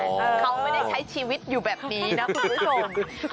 เขาไม่ได้ใช้ชีวิตอยู่แบบนี้นะคุณผู้ชม